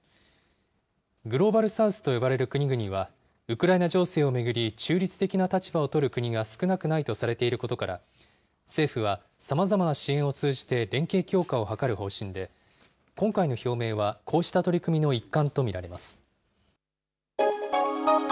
グローバル・サウスと呼ばれる国々は、ウクライナ情勢を巡り、中立的な立場を取る国が少なくないとされていることから、政府は、さまざまな支援を通じて連携強化を図る方針で、今回の表明はこうした取り組みの一環と見られます。